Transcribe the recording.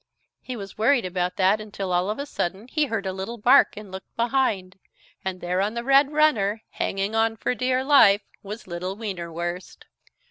He was worried about that until all of a sudden he heard a little bark and looked behind, and there on the red runner, hanging on for dear life, was little Wienerwurst.